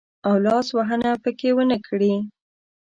او لاس وهنه پکښې ونه کړي.